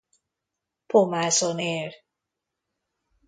Pomázon él.